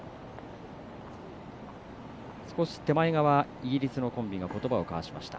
イギリスのコンビがことばを交わしました。